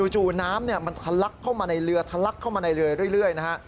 จู่น้ำมันทะลักเข้ามาในเรือทะลักเข้ามาในเรือเรื่อยนะฮะ